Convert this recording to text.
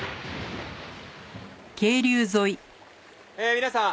皆さん